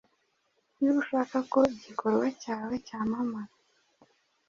iyo ushaka ko igikorwa cyawe cyamamara